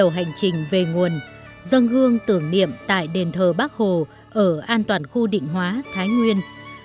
hành trình về nguồn dân hương tưởng niệm tại đền thờ bắc hồ ở an toàn khu định hóa thái nguyên